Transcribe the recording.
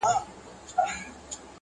عکس يې را ولېږی